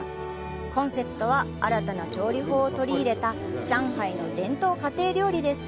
コンセプトは、「新たな調理法を取り入れた上海の伝統家庭料理」です。